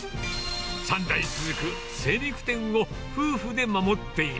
３代続く精肉店を夫婦で守っ